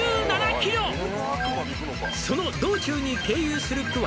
「その道中に経由する区は」